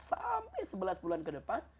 sampai sebelas bulan kedepan